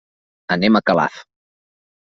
Anem a Calaf.